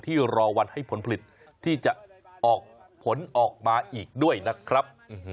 รอวันให้ผลผลิตที่จะออกผลออกมาอีกด้วยนะครับ